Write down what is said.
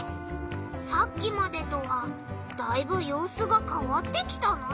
さっきまでとはだいぶようすがかわってきたな。